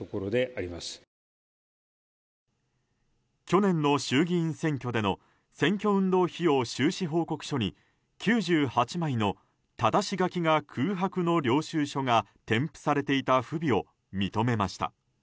去年の衆議院選挙での選挙運動費用収支報告書に９８枚のただし書きが空白の領収書が添付されていた不備を認めました。